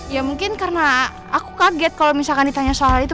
ya mungkin karena aku kaget kalau misalkan ditanya soal itu